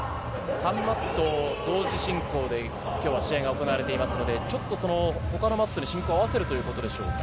３マット同時進行で試合が行われていますので、他のマットの進行を合わせるということでしょうか。